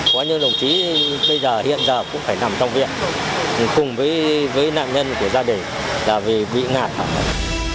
có những đồng chí bây giờ hiện giờ cũng phải nằm trong viện cùng với nạn nhân của gia đình là vì bị ngạt